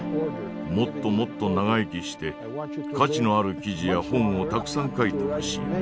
もっともっと長生きして価値のある記事や本をたくさん書いてほしい。